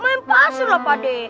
main pasir pak d